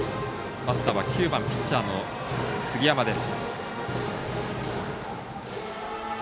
バッターは９番、ピッチャーの杉山です。